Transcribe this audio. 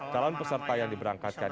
calon peserta yang diberangkatkan